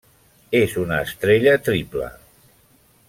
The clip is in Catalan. És una estrella triple.